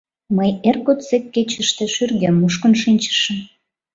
— Мый эр годсек кечыште шӱргем мушкын шинчышым.